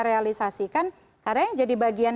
realisasikan karena yang jadi bagian